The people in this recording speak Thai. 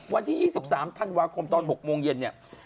วันที่๒๓ทภตอน๖โมงเย็น